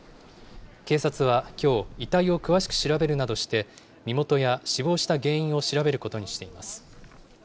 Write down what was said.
警察はきょう、遺体を詳しく調べるなどして、身元や死亡した原因を調べることにしています。